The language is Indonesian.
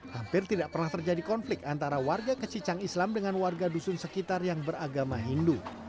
hampir tidak pernah terjadi konflik antara warga kecicang islam dengan warga dusun sekitar yang beragama hindu